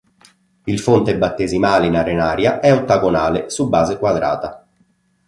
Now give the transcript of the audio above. Il fonte battesimale in arenaria è ottagonale su base quadrata.